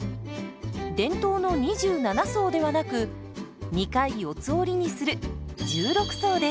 伝統の２７層ではなく２回四つ折りにする１６層です。